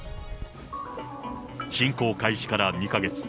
侵攻開始から２か月。